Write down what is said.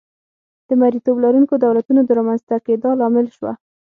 د مریتوب لرونکو دولتونو د رامنځته کېدا لامل شوه.